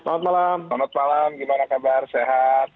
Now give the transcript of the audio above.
selamat malam selamat malam gimana kabar sehat